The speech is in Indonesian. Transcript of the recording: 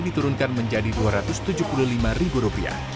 diturunkan menjadi dua ratus tujuh puluh lima ribu rupiah